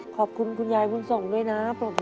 ขอบคุณคุณยายบุญส่งด้วยนะ